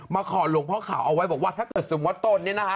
ขอหลวงพ่อขาวเอาไว้บอกว่าถ้าเกิดสมมุติว่าตนเนี่ยนะคะ